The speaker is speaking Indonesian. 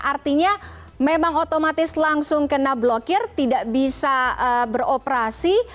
artinya memang otomatis langsung kena blokir tidak bisa beroperasi